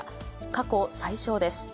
過去最少です。